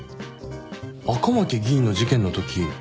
赤巻議員の事件のとき